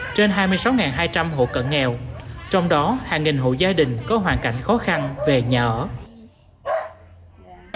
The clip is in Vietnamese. trên hai mươi sáu hai trăm linh hộ cận nghèo trong đó hàng nghìn hộ gia đình có hoàn cảnh khó khăn về nhà ở